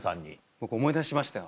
僕思い出しましたよ